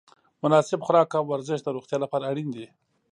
مناسب خوراک او ورزش د روغتیا لپاره اړین دي.